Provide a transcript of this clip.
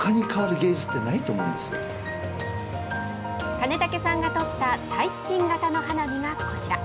金武さんが撮った最新型の花火がこちら。